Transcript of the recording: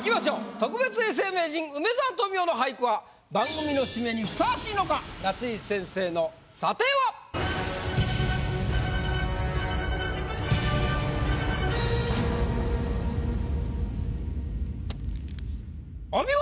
特別永世名人梅沢富美男の俳句は番組の締めにふさわしいのか⁉夏井先生の査定は⁉お見事！